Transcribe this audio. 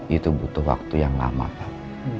itu butuh waktu yang lama pak